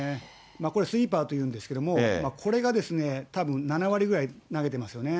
これ、スイーパーというんですけれども、これがですね、たぶん７割ぐらい投げてますよね。